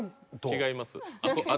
違います。